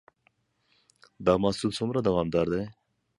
دا محصول څومره دوامدار دی؟